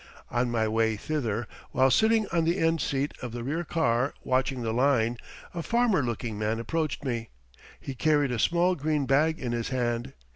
On my way thither, while sitting on the end seat of the rear car watching the line, a farmer looking man approached me. He carried a small green bag in his hand.